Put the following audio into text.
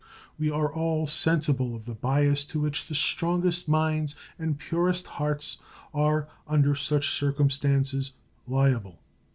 We are all sensible of the bias to which the strongest minds and purest hearts are, under such circumstances, liable.